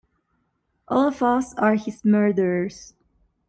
All of us are his murderers...